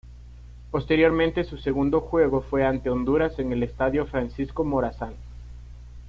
Posteriormente, su segundo juego fue ante Honduras en el Estadio Francisco Morazán.